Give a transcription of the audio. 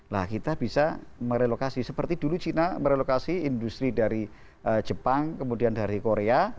nah kita bisa merelokasi seperti dulu china merelokasi industri dari jepang kemudian dari korea